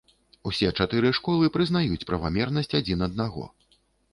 Усе чатыры школы прызнаюць правамернасць адзін аднаго.